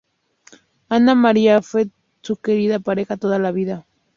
Anna Maria fue su querida pareja toda la vida.